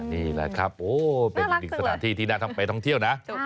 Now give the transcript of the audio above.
นี่แหละครับโอ้เป็นอีกหนึ่งสถานที่ที่น่าทำไปท่องเที่ยวนะ